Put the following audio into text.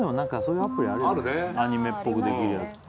アニメっぽくできるやつ。